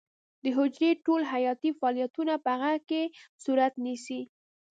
د حجرې ټول حیاتي فعالیتونه په هغې کې صورت نیسي.